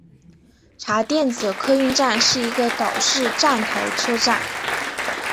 茶店子客运站是一个岛式站台车站。